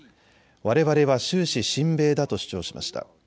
われわれは終始、親米だと主張しました。